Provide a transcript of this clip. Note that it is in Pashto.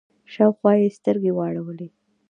شاوخوا يې سترګې واړولې.